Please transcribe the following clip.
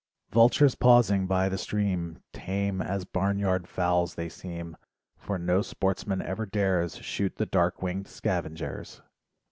Vultures pausing by the stream Tame as barn yard fowls they seem, LIFE WAVES 16 For no sportsman ever dares Shoot the dark winged scavengers.